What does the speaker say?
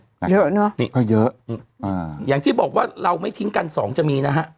เยอะเนอะนี่ก็เยอะอืมอ่าอย่างที่บอกว่าเราไม่ทิ้งกันสองจะมีนะฮะ